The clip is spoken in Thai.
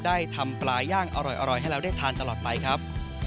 ได้ทำปลาย่างอร่อยให้เราได้ทานตลอดไปครับ